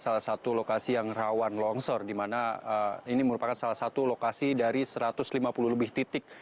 salah satu lokasi yang rawan longsor di mana ini merupakan salah satu lokasi dari satu ratus lima puluh lebih titik